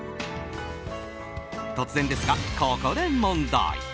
突然ですが、ここで問題。